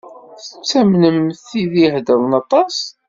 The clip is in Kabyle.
Tettamnem tid i iheddṛen aṭas?